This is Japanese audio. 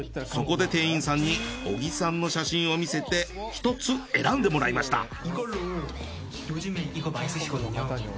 そこで店員さんに小木さんの写真を見せて１つ選んでもらいました。